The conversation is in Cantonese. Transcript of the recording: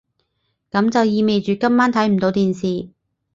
噉就意味住今晚睇唔到電視